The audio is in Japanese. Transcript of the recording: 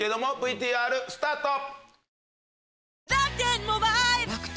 ＶＴＲスタート！